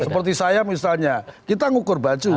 seperti saya misalnya kita ngukur baju